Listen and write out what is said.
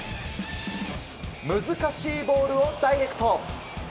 難しいボールをダイレクト。